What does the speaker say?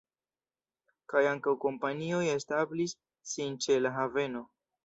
Kaj ankaŭ kompanioj establis sin ĉe la haveno.